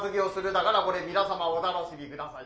だからこれ皆様お楽しみ下さい」。